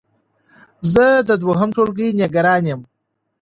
زه د دوهم ټولګی نګران يم